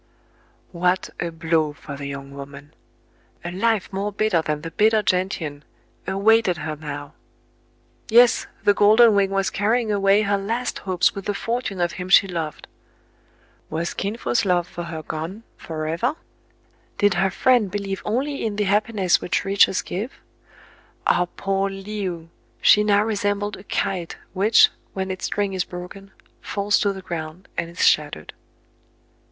.What a blow for the young woman! A life more bitter than the bitter gentian awaited her now. Yes, the golden wind was carrying away her last hopes with the fortune of him she loved. Was Kin Fo's love for her gone forever } Did her friend believe only in the happiness which riches give ? Ah, poor Le ou ! she now resembled a kite, which, when its string is broken, falls to the ground and is shattered.